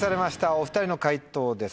お２人の解答です